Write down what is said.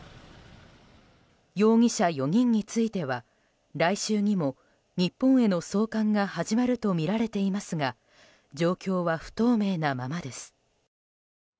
容疑者４人については来週にも日本への送還が始まるとみられていますが状況は不透明なままです。